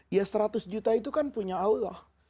ya seratus juta itu kan punya allah